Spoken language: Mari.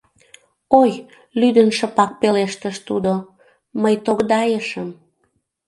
Ой, — лӱдын шыпак пелештыш тудо, — мый тогдайшым...